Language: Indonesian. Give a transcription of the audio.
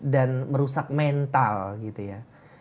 dan merusak mental gitu ya